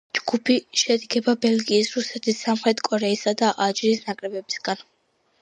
ჯგუფი შედგება, ბელგიის, რუსეთის, სამხრეთი კორეისა და ალჟირის ნაკრებებისგან.